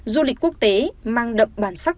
du lịch quốc tế mang đậm bản sắc